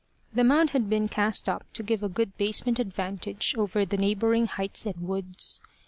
The mound had been cast up to give a good basement advantage over the neighbouring heights and woods.